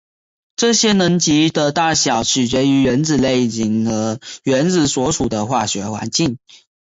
这些能级的大小取决于原子类型和原子所处的化学环境。